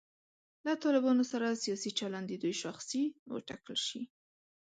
له طالبانو سره سیاسي چلند د دوی شاخصې وټاکل شي.